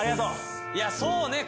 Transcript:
いやそうね